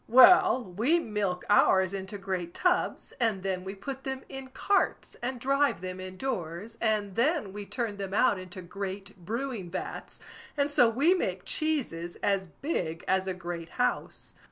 "Well, we milk ours into great tubs, and then we put them in carts and drive them in doors, and then we turn them out into great brewing vats, and so we make cheeses as big as a great house.